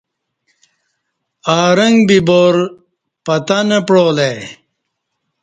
آرنگ بی بارپتاں نہ پعالہ ای